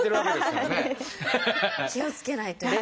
気をつけないと。